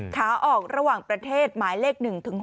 ขาออกระหว่างประเทศหมายเลข๑๖